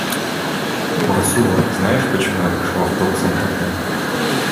Урсула, знаешь, почему я пошла в Добсон тогда?